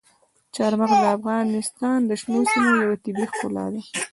چار مغز د افغانستان د شنو سیمو یوه طبیعي ښکلا ده.